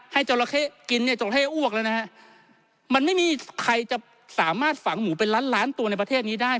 จราเข้กินเนี่ยจราเข้อ้วกแล้วนะฮะมันไม่มีใครจะสามารถฝังหมูเป็นล้านล้านตัวในประเทศนี้ได้